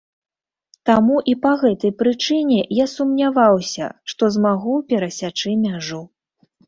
Таму і па гэтай прычыне я сумняваўся, што змагу перасячы мяжу.